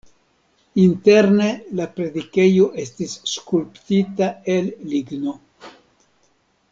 Interne la predikejo estis skulptita el ligno.